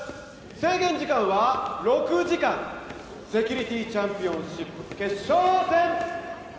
制限時間は６時間セキュリティチャンピオンシップ決勝戦！